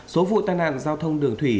số vụ tai nạn giao thông đường thủy